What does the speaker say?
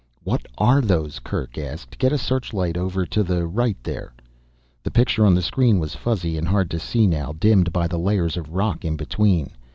"What are those?" Kerk asked. "Get a searchlight over to the right there." The picture on the screen was fuzzy and hard to see now, dimmed by the layers of rock in between.